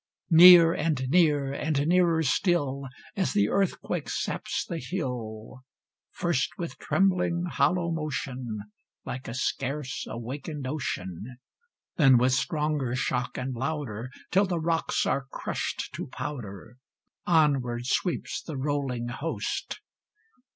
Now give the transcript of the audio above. Near and near and nearer still, As the earthquake saps the hill, First with trembling, hollow motion, Like a scarce awakened ocean, Then with stronger shock and louder, Till the rocks are crushed to powder, Onward sweeps the rolling host!